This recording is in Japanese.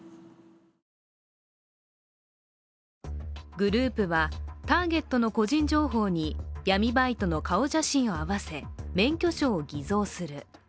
グループはターゲットの個人情報に闇バイトの顔写真をあわせ、免許証を偽造する。